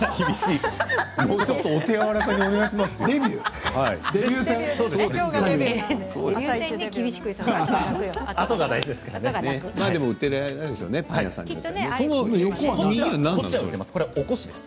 もうちょっとお手柔らかにお願いします。